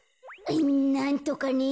なんとかね。